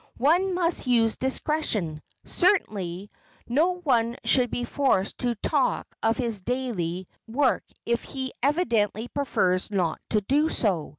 One must use discretion. Certainly, no one should be forced to talk of his daily work if he evidently prefers not to do so.